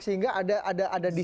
sehingga ada di